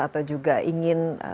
atau juga ingin